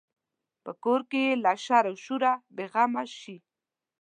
په کور کې یې له شر و شوره بې غمه شي.